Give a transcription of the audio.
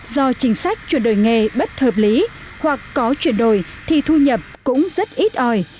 do chính sách chuyển đổi nghề bất hợp lý hoặc có chuyển đổi thì thu nhập cũng rất ít ỏi